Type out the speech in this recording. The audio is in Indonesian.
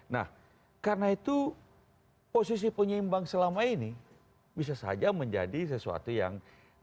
nah karena itu posisi penyeimbang selama ini bisa saja menjadi sesuatu yang